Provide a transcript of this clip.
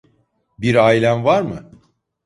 Bir ailen var mı?